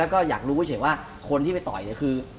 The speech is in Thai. แล้วก็อยากรู้เฉยว่าคนที่ไปต่อยเนี่ยคือ